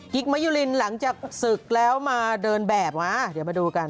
มะยุลินหลังจากศึกแล้วมาเดินแบบมาเดี๋ยวมาดูกัน